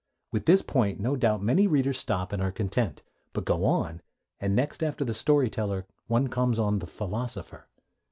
With this point no doubt many readers stop and are content. But go on, and next after the story teller one comes on the philosopher.